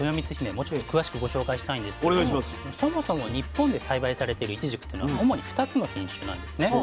もうちょっと詳しくご紹介したいんですけれどもそもそも日本で栽培されてるいちじくっていうのは主に２つの品種なんですね。